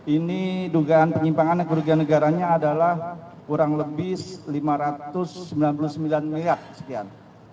ini dugaan penyimpangan kerugian negaranya adalah kurang lebih lima ratus sembilan puluh sembilan miliar sekian